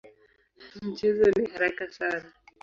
Mchezo ni haraka sana.